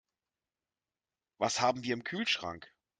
Was haben wir im Kühlschrank?